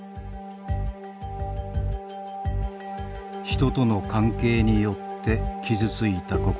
人との関係によって傷ついた心。